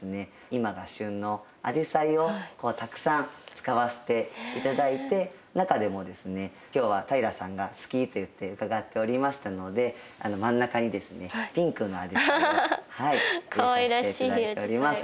今が旬のアジサイをたくさん使わせて頂いて中でもですね今日は平さんが好きといって伺っておりましたので真ん中にですねピンクのアジサイを入れさせて頂いております。